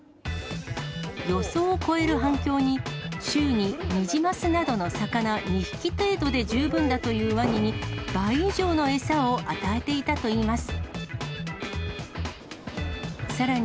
予想を超える反響に、週にニジマスなどの魚２匹程度で十分だというワニに、倍以上の餌を与えていたといいます。